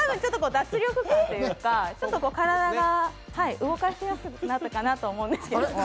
脱力感というか、体が動かしやすくなったかなと思うんですけど。